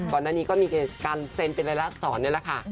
ก่อนหน้านี้ก็มีการเซ็นต์เป็นอะไรล่ะ